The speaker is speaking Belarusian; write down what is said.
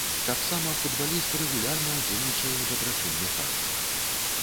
Таксама футбаліст рэгулярна ўдзельнічае ў дабрачынных акцыях.